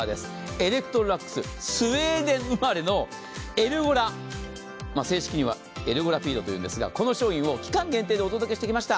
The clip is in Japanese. エレクトロラックス、スウェーデン生まれのエルゴラ、正式にはエルゴラピードというんですが、この商品を期間限定でお届けしてきました。